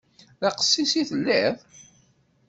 D aqessis i telliḍ?